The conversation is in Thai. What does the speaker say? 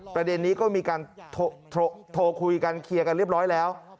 ประเด็นนี้ก็มีการโทรคุยกันเคลียร์กันเรียบร้อยแล้ว